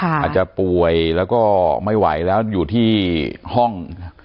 อาจจะป่วยแล้วก็ไม่ไหวแล้วอยู่ที่ห้อง